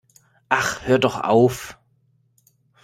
Ach, hör doch auf!